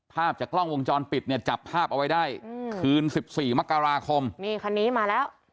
ภาพจากกล้องวงจรปิดเนี่ยจับภาพเอาไว้ได้คืน๑๔มกราคมนี่คันนี้มาแล้ว